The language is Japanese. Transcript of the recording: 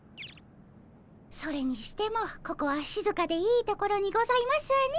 それにしてもここはしずかでいい所にございますね。